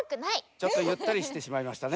ちょっとゆったりしてしまいましたね。